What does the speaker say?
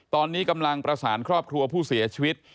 ตอนนี้กำลังประสานครอบครัวผู้เสียชีวิต